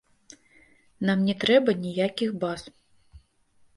Нам не трэба ніякіх баз.